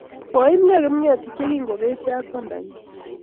Koi imkey Kipng'etich ye kingopesyo ak kwandannyi.